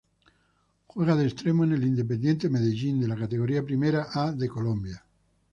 Juega de extremo en el Independiente Medellín de la Categoría Primera A de Colombia.